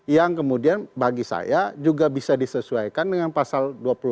yang kemudian bagi saya juga bisa disesuaikan dengan pasal dua puluh lima